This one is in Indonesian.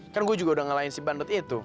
kan gue juga udah ngalahin si bandot itu